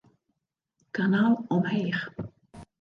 Kanaal omheech.